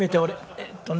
えっとね